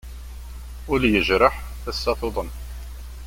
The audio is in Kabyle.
Ul yejreḥ, tasa tuḍen.